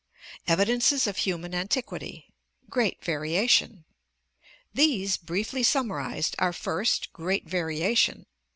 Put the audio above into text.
Evidences of Human Antiquity Great Variation. — These, briefly summarized, are, first, great variation.